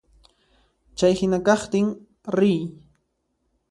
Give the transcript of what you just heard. Chay hina kaqtin riy.